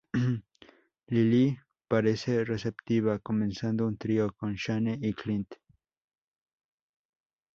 Lily parece receptiva, comenzando un trío con Shane y Clint.